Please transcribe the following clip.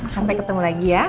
sampai ketemu lagi ya